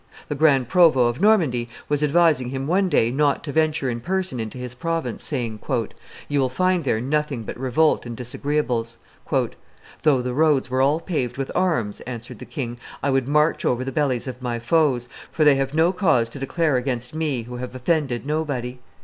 The grand provost of Normandy was advising him one day not to venture in person into his province, saying, "You will find there nothing but revolt and disagreeables." "Though the roads were all paved with arms," answered the king, "I would march over the bellies of my foes, for they have no cause to declare against me, who have offended nobody.